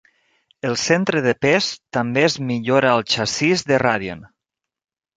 El centre de pes també es millora al xassís de Radien.